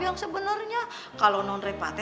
yang sebenernya kalo non repat